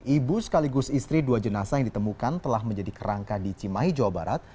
ibu sekaligus istri dua jenazah yang ditemukan telah menjadi kerangka di cimahi jawa barat